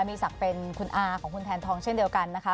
มีศักดิ์เป็นคุณอาของคุณแทนทองเช่นเดียวกันนะคะ